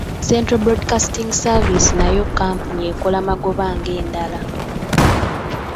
Central Broadcasting Service nayo kampuni ekola magoba ng’endala.